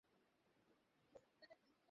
আমি তোমার পাশে আছি, মাইক।